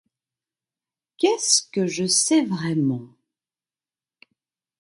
Qu'est-ce que je sais vraiment ?